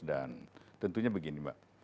dan tentunya begini mbak